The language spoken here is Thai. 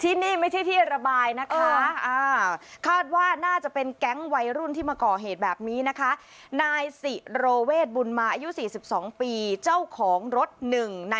ที่นี่ไม่ใช่ที่ระบายนะคะอ่าคาดว่าน่าจะเป็นแก๊งวัยรุ่น